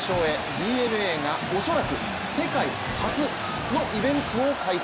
ＤｅＮＡが恐らく世界初！？のイベントを開催